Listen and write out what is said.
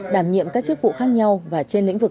đảm nhiệm các chức vụ khác nhau và trên lĩnh vực